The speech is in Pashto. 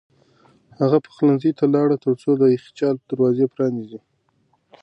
هغه پخلنځي ته لاړ ترڅو د یخچال دروازه پرانیزي.